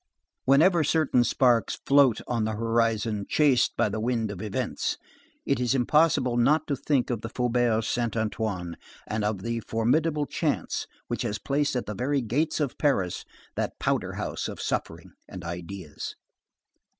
Whenever certain sparks float on the horizon chased by the wind of events, it is impossible not to think of the Faubourg Saint Antoine and of the formidable chance which has placed at the very gates of Paris that powder house of suffering and ideas.